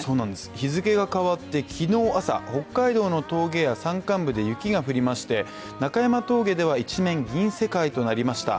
日付が変わって昨日朝北海道の峠や山間部で雪が降りまして中山峠では一面銀世界となりました。